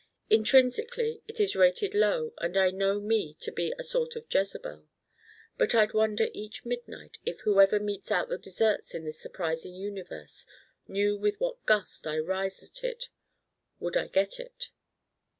Intrinsically it is rated low and I know me to be a sort of jezebel. But I'd wonder each midnight if whoever metes out the deserts in this surprising universe knew with what gust I rise at it would I get it.